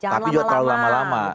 tapi juga terlalu lama lama